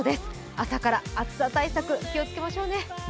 朝から暑さ対策気をつけましょうね。